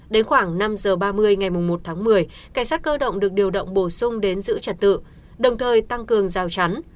đến khoảng năm giờ ba mươi ngày một tháng một mươi cảnh sát cơ động được điều động bổ sung đến giữ trật tự đồng thời tăng cường giao chắn